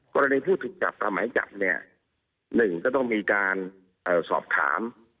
กรณีผู้ถูกจับตามหมายจับเนี่ย๑ก็ต้องมีการสอบถาม